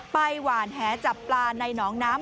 หวานแหจับปลาในหนองน้ำ